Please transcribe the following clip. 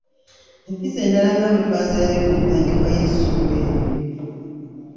Empisa endala nga bwe twazirabye ku ntandikwa y’essuula eno.